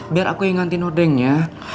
biar aku ingatin hodengnya